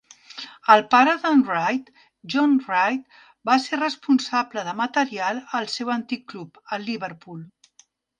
El pare de"n Wright, John Wright, va ser responsable de material al seu antic club, el Liverpool.